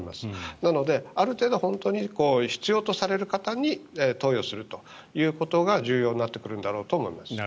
なのである程度必要とされる方に投与するということが重要になってくるんだろうと思います。